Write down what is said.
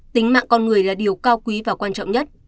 tính mạng con người là điều cao quý và quan trọng nhất